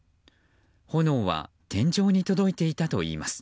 炎は天井に届いていたといいます。